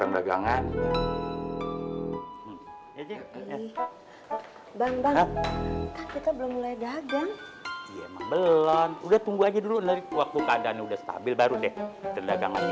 dagang belum udah tunggu aja dulu dari waktu keadaan udah stabil baru deh terdagang lagi